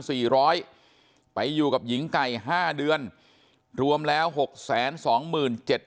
สี่ร้อยไปอยู่กับหญิงไก่ห้าเดือนรวมแล้วหกแสนสองหมื่นเจ็ด